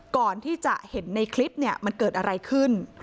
ก่อนที่จะเห็นในคลิปเนี่ยมันเกิดอะไรขึ้น